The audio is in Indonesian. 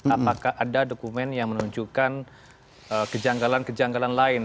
apakah ada dokumen yang menunjukkan kejanggalan kejanggalan lain